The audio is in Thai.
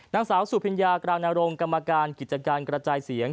นางสาวสุพิญญากลางนรงกรรมการกิจการกระจายเสียง